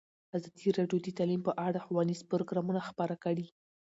ازادي راډیو د تعلیم په اړه ښوونیز پروګرامونه خپاره کړي.